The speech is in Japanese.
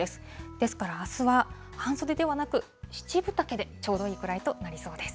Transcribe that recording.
ですから、あすは、半袖ではなく、七分丈でちょうどいいくらいとなりそうです。